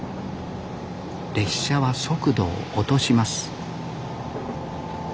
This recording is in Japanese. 列車は速度を落とします